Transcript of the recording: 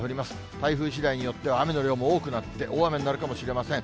台風しだいによっては、雨の量も多くなって、大雨になるかもしれません。